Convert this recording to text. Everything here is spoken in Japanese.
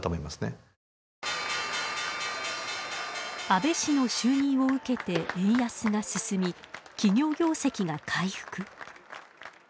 安倍氏の就任を受けて円安が進み、企業業績が回復。